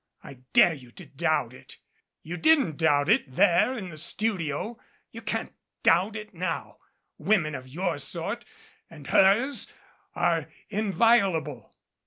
I dare you to doubt it. You didn't doubt it there in the studio. You can't doubt it now. Women of your sort and hers are inviolable."